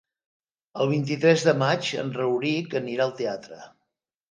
El vint-i-tres de maig en Rauric anirà al teatre.